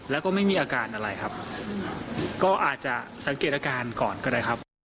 แล้วก็ไม่มีอาการอะไรครับก็อาจจะสังเกตอาการก่อนก็ได้ครับ